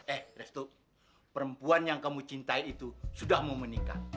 eh restu perempuan yang kamu cintai itu sudah mau menikah